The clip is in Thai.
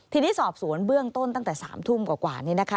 ทีนี้สอบสวนเบื้องต้นตั้งแต่๓ทุ่มกว่านี้นะคะ